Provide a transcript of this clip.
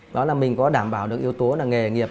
đó là mình có đảm bảo được yếu tố là nghề nghiệp